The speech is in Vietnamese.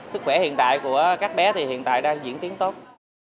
sức khỏe hiện tại của các bé thì hiện tại đang diễn tiến tốt